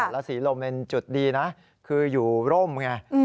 แล้วสีลมเป็นจุดดีนะคืออยู่ร่มไง